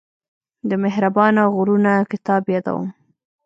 د مهربانه غرونه کتاب يادوم.